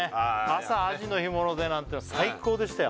朝アジの干物でなんてのは最高でしたよ